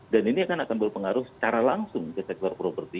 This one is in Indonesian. dan ini akan berpengaruh secara langsung ke sektor properti